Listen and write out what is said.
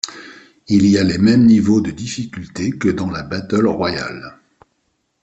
Il y a les mêmes niveaux de difficulté que dans la Battle Royale.